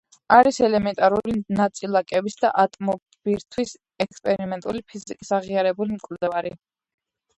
არის ელემენტარული ნაწილაკების და ატომბირთვის ექსპერიმენტული ფიზიკის აღიარებული მკვლევარი.